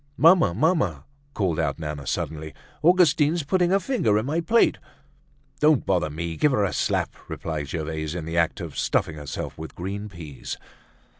"Mamma! Mamma!" called out Nana suddenly, "Augustine's putting her fingers in my plate!" "Don't bother me! give her a slap!" replied Gervaise, in the act of stuffing herself with green peas.